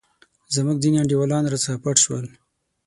زموږ ځیني انډیوالان راڅخه پټ شول.